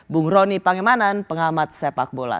bung roni pangemanan pengamat sepak bola